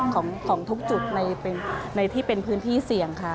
ของทุกจุดในที่เป็นพื้นที่เสี่ยงค่ะ